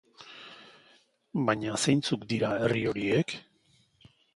Baina zeintzuk dira herri horiek?